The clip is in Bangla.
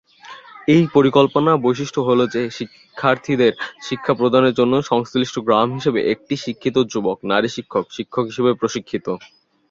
এই পরিকল্পনা বৈশিষ্ট্য হল যে শিক্ষার্থীদের শিক্ষা প্রদান করার জন্য সংশ্লিষ্ট গ্রাম হিসাবে একটি শিক্ষিত যুবক/নারী শিক্ষক/শিক্ষক হিসেবে প্রশিক্ষিত।